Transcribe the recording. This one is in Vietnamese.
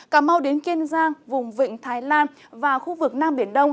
cà mau đến kiên giang vùng vịnh thái lan và khu vực nam biển đông